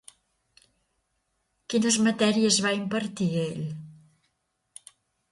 Quines matèries va impartir ell?